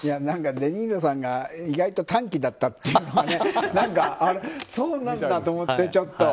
何か、デ・ニーロさんが意外と短期だったというのはそうなんだと思って。